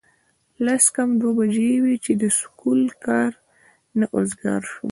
لس کم دوه بجې وې چې د سکول کار نه اوزګار شو